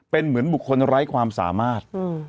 เป็นเหมือนบุคคลไร้ความสามารถ